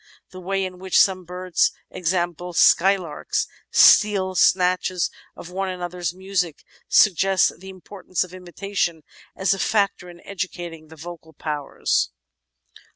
The way in which some birds, e.g., skylarks, steal snatches of one another's music, suggests the importance of imitation as a factor in educating the vocal powers.